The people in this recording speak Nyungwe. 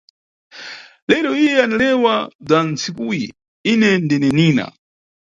Lero iye anilewa bza ntsikuyi, Ine ndine Nina.